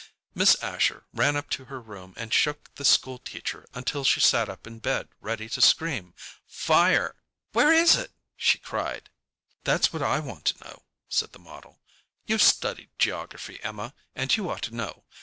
Miss Asher ran up to her room and shook the school teacher until she sat up in bed ready to scream "Fire!" "Where is it?" she cried. "That's what I want to know," said the model. "You've studied geography, Emma, and you ought to know.